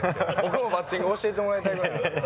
僕もバッティング教えてもらいたいぐらい。